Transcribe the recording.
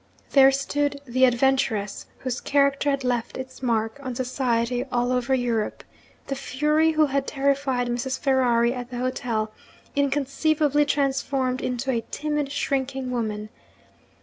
There stood the adventuress whose character had left its mark on society all over Europe the Fury who had terrified Mrs. Ferrari at the hotel inconceivably transformed into a timid, shrinking woman!